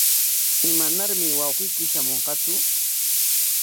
¿Imanarmi wawqiyki shamunqatsu?